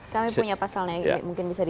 kami punya pasalnya mungkin bisa di